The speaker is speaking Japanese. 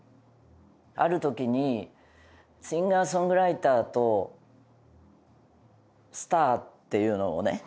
ある時にシンガーソングライターとスターっていうのをね